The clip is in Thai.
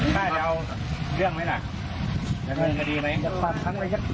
แค่เมื่อเกิดก็ไม่มา